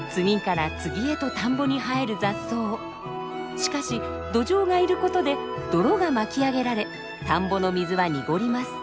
しかしドジョウがいる事で泥が巻き上げられ田んぼの水は濁ります。